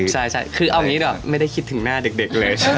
ใช่คือเอาอย่างนี้ไม่ได้คิดถึงหน้าเด็กเลย